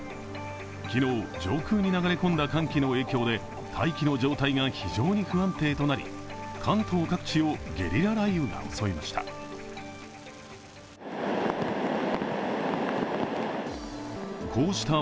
昨日、上空に流れ込んだ寒気の影響で大気の状態が非常に不安定となり、関東各地をゲリラ雷雨が襲いました。